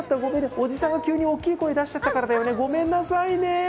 おじさんが急に大きい声を出しちゃったからだよね、ごめんね。